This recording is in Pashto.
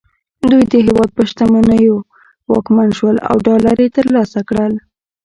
دوی د هېواد په شتمنیو واکمن شول او ډالر یې ترلاسه کړل